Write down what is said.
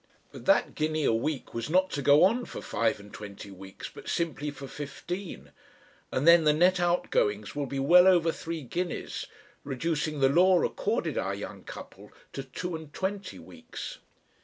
But that guinea a week was not to go on for five and twenty weeks, but simply for fifteen, and then the net outgoings will be well over three guineas, reducing the "law" accorded our young couple to two and twenty weeks.